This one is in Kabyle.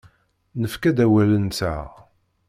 Nefka-d awal-nteɣ.